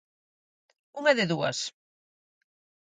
Unha de dúas: